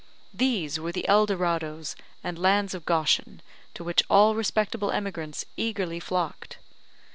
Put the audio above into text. These were the El Dorados and lands of Goshen to which all respectable emigrants eagerly flocked.